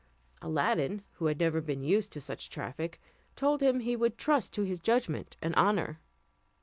Aladdin, who had never been used to such traffic, told him he would trust to his judgment and honour.